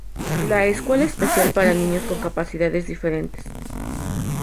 La Escuela Especial para niños con capacidades diferentes.